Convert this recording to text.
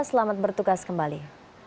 selamat bertugas kembali